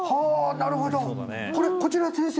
なるほどこちら先生